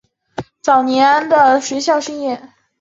早年肄业于绥德省立第四师范学校肄业。